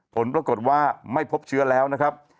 ผลปรากฏว่าไม่พบเชื้อแล้วนะครับ